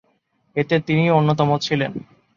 এতে তিনিও অন্যতম ছিলেন।